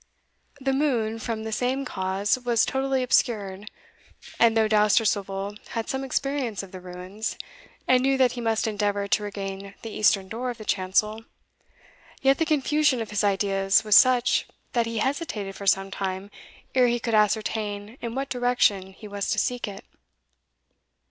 The moon, from the same cause, was totally obscured, and though Dousterswivel had some experience of the ruins, and knew that he must endeavour to regain the eastern door of the chancel, yet the confusion of his ideas was such, that he hesitated for some time ere he could ascertain in what direction he was to seek it.